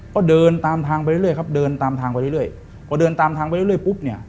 ก็เดินตามทางไปเรื่อยครับเดินตามทางไปเรื่อยพอเดินตามทางไปเรื่อยปุ๊บเนี่ย